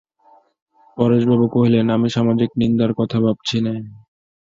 পরেশবাবু কহিলেন, আমি সামাজিক নিন্দার কথা ভাবছি নে।